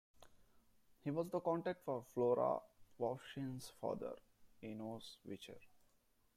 He was the contact for Flora Wovschin's father, Enos Wicher.